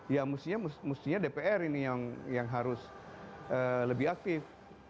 ya mestinya dpr ini yang harus lebih aktif